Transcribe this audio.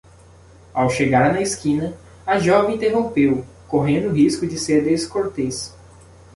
Ao chegar na esquina, a jovem interrompeu, correndo o risco de ser descortês.